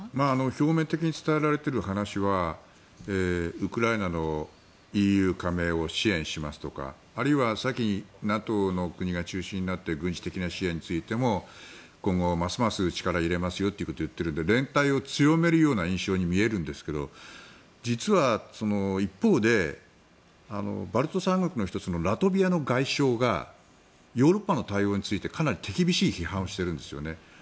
表面的に伝えられている話はウクライナのＥＵ加盟を支援しますとかあるいは先にＮＡＴＯの国が中心になって軍事的な支援についても今後、ますます力を入れますよということを言っているので連帯を強めるような印象に見えるんですが実は一方でバルト三国の１つのラトビアの外相がヨーロッパの対応についてかなり手厳しい批判をしているんですね。